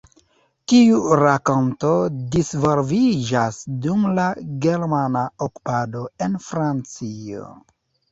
Tiu rakonto disvolviĝas dum la germana okupado en Francio.